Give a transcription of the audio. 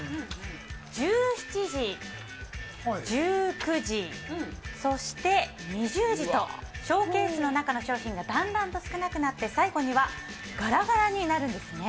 １７時１９時そして２０時とショーケースの中の商品がだんだんと少なくなって最後にはがらがらになるんです。